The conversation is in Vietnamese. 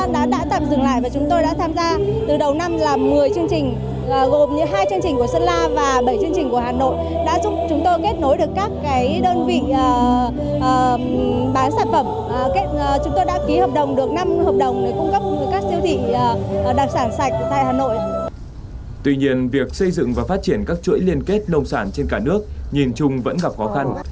tuy nhiên việc xây dựng và phát triển các chuỗi liên kết nông sản trên cả nước nhìn chung vẫn gặp khó khăn